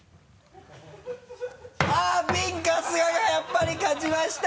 あっビン・春日がやっぱり勝ちました！